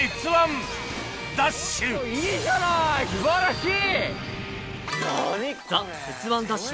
いいじゃない素晴らしい！